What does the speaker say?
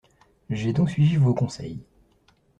J’ai donc suivi vos conseils.